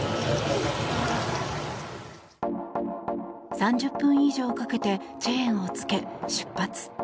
３０分以上かけてチェーンを着け、出発。